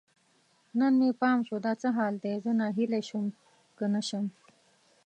نن مې پام شو، دا څه حال دی؟ زه ناهیلی شم که نه شم